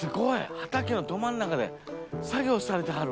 畑のど真ん中で作業されてはる。